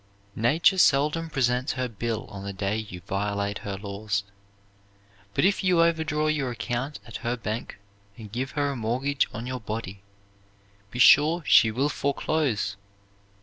Nature seldom presents her bill on the day you violate her laws. But if you overdraw your account at her bank, and give her a mortgage on your body, be sure she will foreclose.